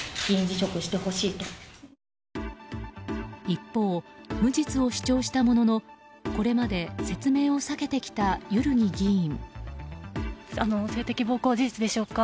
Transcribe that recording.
一方、無実を主張したもののこれまで説明を避けてきた万木議員。